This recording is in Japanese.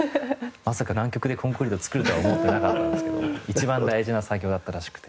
まさか南極でコンクリートを作るとは思ってなかったんですけど一番大事な作業だったらしくて。